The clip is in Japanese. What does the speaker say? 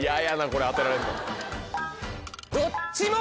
これ当てられんの。